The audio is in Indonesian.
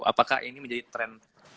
apakah ini menjadi tren